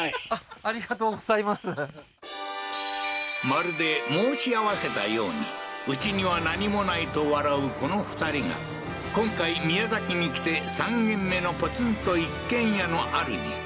まるで申し合わせたようにうちには何もないと笑うこの２人が今回宮崎に来て３軒目のポツンと一軒家のあるじ